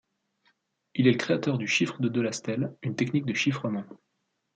Il est le créateur du Chiffre de Delastelle, une technique de chiffrement.